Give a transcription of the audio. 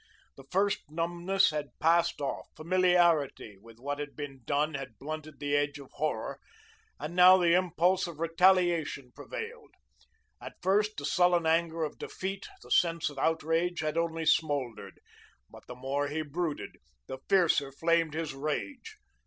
The first numbness had passed off; familiarity with what had been done had blunted the edge of horror, and now the impulse of retaliation prevailed. At first, the sullen anger of defeat, the sense of outrage, had only smouldered, but the more he brooded, the fiercer flamed his rage.